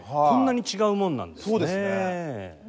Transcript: こんなに違うもんなんですね。